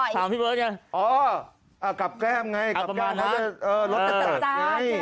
ถามพี่เบิร์กไงอ๋ออ่ะกับแก้มไงกับแก้มเขาจะเออลดตัดตัดไง